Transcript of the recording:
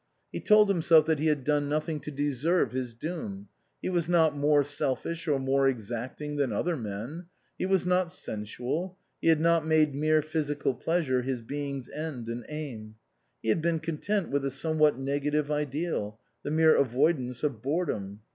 He told himself that he had done nothing to deserve his doom. He was not more selfish or more exacting than other men ; he was not sensual ; he had not made mere physical pleasure his being's end and aim. He had been content with a somewhat negative ideal, the mere avoid ance of boredom.